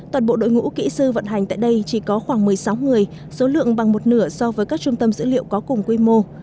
toàn bộ đội ngũ kỹ sư vận hành tại đây chỉ có khoảng một mươi sáu người số lượng bằng một nửa so với các trung tâm dữ liệu có cùng quy mô